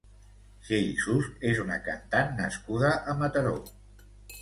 Txell Sust és una cantant nascuda a Mataró.